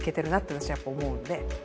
私はやっぱ思うんで。